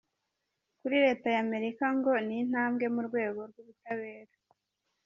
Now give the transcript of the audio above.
Kuri Leta y’Amerika ngo ni intambwe mu rwego rw’ubutabera.